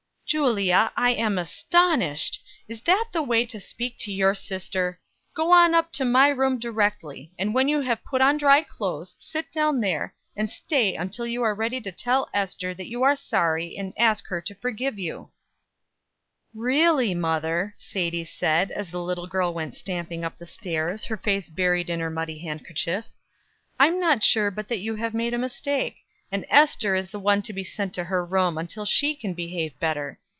"Julia, I am astonished! Is that the way to speak to your sister? Go up to my room directly; and, when you have put on dry clothes, sit down there, and stay until you are ready to tell Ester that you are sorry, and ask her to forgive you." "Really, mother," Sadie said, as the little girl went stamping up the stairs, her face buried in her muddy handkerchief, "I'm not sure but you have made a mistake, and Ester is the one to be sent to her room until she can behave better.